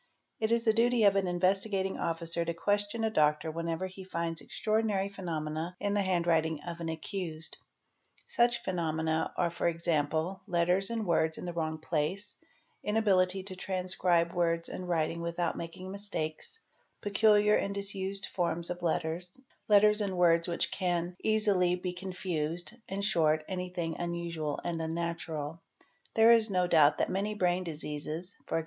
It is t | duty of an Investigating Officer to question a doctor whenever he finds —| j 'a HANDWRITING 257 { extraordinary phenomena in the handwriting of an accused, Such _ phenomena are for example letters and words in the wrong place, inabi lity to transcribe words and writing without making mistakes, peculiar and disused forms of letters, letters and words which can easily be confused, in short, anything unusual and unnatural. There is no doubt _ that many brain diseases (e.g.